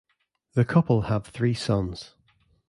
The couple have three sons.